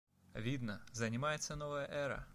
Видно — занимается новая эра!